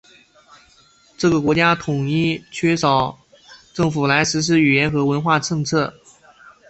这个国家缺少一个统一的政府来实施语言和文化政策。